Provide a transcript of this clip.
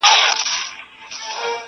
چي« رېبې به هغه څه چي دي کرلې»!.